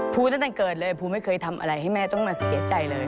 ตั้งแต่เกิดเลยภูไม่เคยทำอะไรให้แม่ต้องมาเสียใจเลย